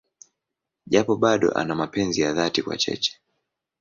Japo bado ana mapenzi ya dhati kwa Cheche.